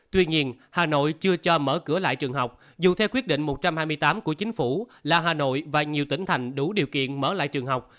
tuy nhiên hà nội chưa cho mở cửa lại trường học dù theo quyết định một trăm hai mươi tám của chính phủ là hà nội và nhiều tỉnh thành đủ điều kiện mở lại trường học